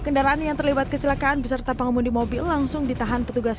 kendaraan yang terlibat kecelakaan beserta pengemudi mobil langsung ditahan petugas